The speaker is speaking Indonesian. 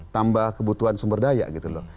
tambah kebutuhan sumber daya gitu loh